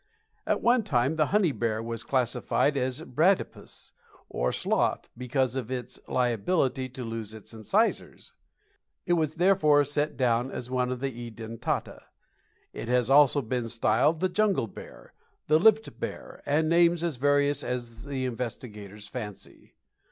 At one time the Honey Bear was classified as a "Bradipus," or sloth, because of its liability to lose its incisors. It was therefore set down as one of the Edentata. It has also been styled the Jungle Bear, the Lipped Bear, and names as various as the investigators' fancy.